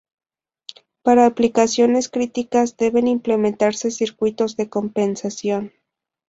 Para aplicaciones críticas deben implementarse circuitos de compensación.